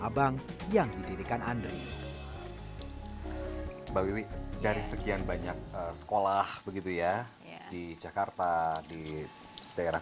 abang yang didirikan andri mbak wiwi dari sekian banyak sekolah begitu ya di jakarta di daerah